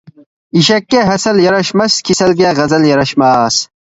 ئېشەككە ھەسەل ياراشماس، كېسەلگە غەزەل ياراشماس.